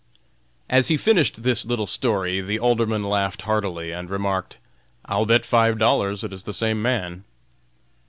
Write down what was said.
] As he finished this little story the Alderman laughed heartily, and remarked: "I'll bet five dollars it is the same man."